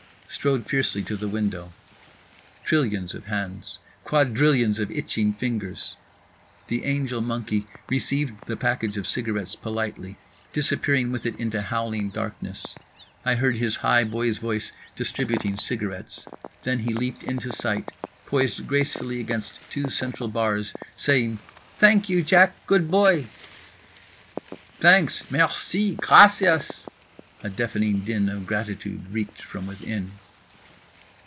Strode fiercely to the window. Trillions of hands. Quadrillions of itching fingers. The angel monkey received the package of cigarettes politely, disappearing with it into howling darkness. I heard his high boy's voice distributing cigarettes. Then he leaped into sight, poised gracefully against two central bars, saying "Thank you, Jack, good boy" … "Thanks, merci, gracias…" a deafening din of gratitude reeked from within.